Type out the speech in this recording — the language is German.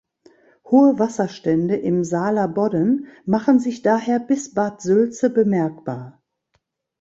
Hohe Wasserstände im Saaler Bodden machen sich daher bis Bad Sülze bemerkbar.